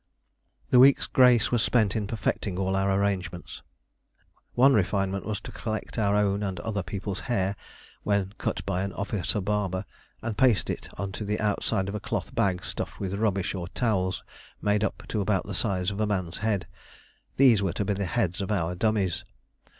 The week's grace was spent in perfecting all our arrangements. One refinement was to collect our own and other people's hair when cut by an officer barber, and paste it on to the outside of a cloth bag stuffed with rubbish or towels made up to about the size of a man's head. These were to be the heads of our dummies.